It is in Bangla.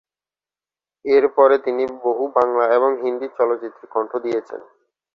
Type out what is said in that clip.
এর পরে, তিনি বহু বাংলা এবং হিন্দি চলচ্চিত্রে কণ্ঠ দিয়েছেন।